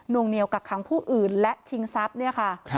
นวงเนียวกับค้างผู้อื่นและชิงทรัพย์